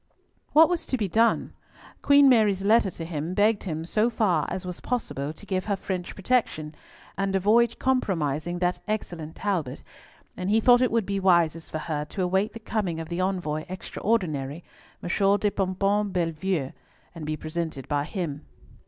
What was to be done? Queen Mary's letter to him begged him so far as was possible to give her French protection, and avoid compromising "that excellent Talbot," and he thought it would be wisest for her to await the coming of the Envoy Extraordinary, M. de Pomponne Bellievre, and be presented by him.